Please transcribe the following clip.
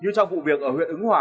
như trong vụ việc ở huyện ứng hòa